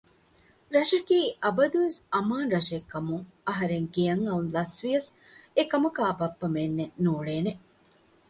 ރަށަކީ އަބަދުވެސް އަމާން ރަށެއްކަމުން އަހަރެން ގެޔަށް އައުން ލަސްވިޔަކަސް އެކަމަކާ ބައްޕަ މެންނެއް ނޫޅޭނެ